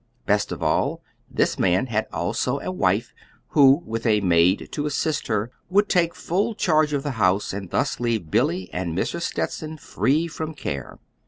Best of all, this man had also a wife who, with a maid to assist her, would take full charge of the house, and thus leave Billy and Mrs. Stetson free from care.